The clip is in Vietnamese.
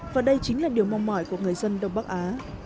và đây chính là điều mong mỏi của người dân đông bắc á